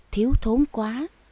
thiếu thốn quá